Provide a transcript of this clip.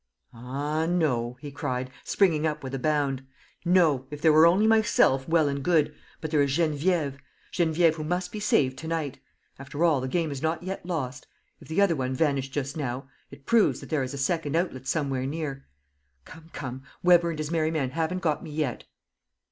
"Ah, no!" he cried, springing up with a bound. "No! If there were only myself, well and good! ... But there is Geneviève, Geneviève, who must be saved to night. ... After all, the game is not yet lost. ... If the other one vanished just now, it proves that there is a second outlet somewhere near. ... Come, come, Weber and his merry men haven't got me yet.